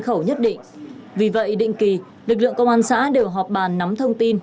khẩu nhất định vì vậy định kỳ lực lượng công an xã đều họp bàn nắm thông tin